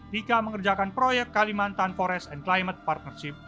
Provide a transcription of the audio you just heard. dika mengerjakan proyek kalimantan forest and climate partnership